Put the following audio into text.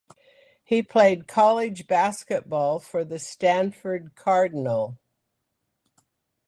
He played college basketball for the Stanford Cardinal.